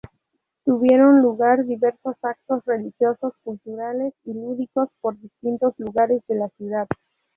Tuvieron lugar diversos actos religiosos, culturales y lúdicos, por distintos lugares de la ciudad.